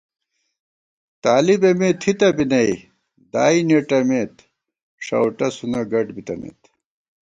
طالِب اِمےتھِتہ بی نئ، دائی نېٹَمېت شؤٹہ سُنہ گٹ بِتَنَئیت